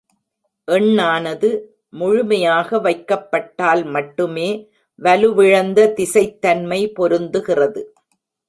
எண்ணானது முழுமையாக வைக்கப்பட்டால்மட்டுமே வலுவிழந்த திசைத்தன்மை பொருந்துகிறது.